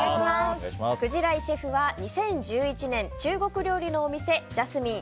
鯨井シェフは２０１１年中国料理のお店ジャスミン